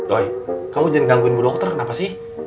woy kamu jangan gangguin bu dokter kenapa sih